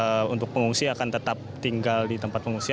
maksudnya ini kan untuk pengungsi akan tetap tinggal di tempat pengungsian